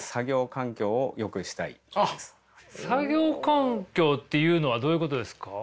作業環境っていうのはどういうことですか？